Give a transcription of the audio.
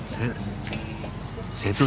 saya tuh sebetulnya